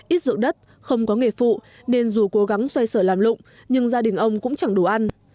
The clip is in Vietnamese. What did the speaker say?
ít rượu đất không có nghề phụ nên dù cố gắng xoay sở làm lụng nhưng gia đình ông cũng chẳng đủ ăn